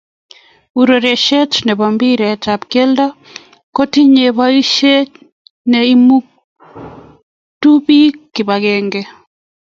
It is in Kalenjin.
urerie ne bi mpiret ab kelto ko tinye boisie ne imutuu biik kibakenge.